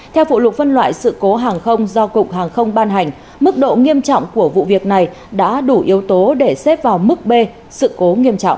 theo phụ lục phân loại sự cố hàng không do cục hàng không ban hành mức độ nghiêm trọng của vụ việc này đã đủ yếu tố để xếp vào mức b sự cố nghiêm trọng